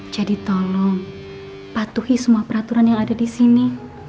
jadi tolong patuhi semua peraturan yang ada di sini